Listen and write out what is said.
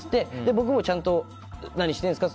僕も、ちゃんと何してるんですか？